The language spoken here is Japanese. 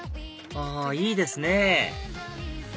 あいいですね